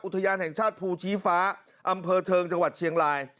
อุทยานแห่งชาติภูชีฟ้าอำเภอเทิงจังหวัดเชียงราย